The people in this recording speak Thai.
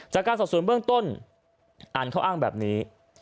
จากการสอบส่วนเบื้องต้นอันเขาอ้างแบบนี้